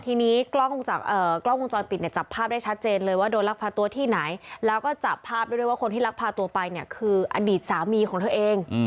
ทีนี้กล้องวงจรปิดเนี่ยจับภาพได้ชัดเจนเลยว่าโดนลักพาตัวที่ไหนแล้วก็จับภาพได้ด้วยว่าคนที่ลักพาตัวไปเนี่ยคืออดีตสามีของเธอเอง